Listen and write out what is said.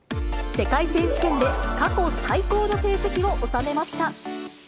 世界選手権で過去最高の成績を収めました。